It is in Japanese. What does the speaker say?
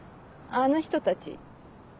「あの人たち」？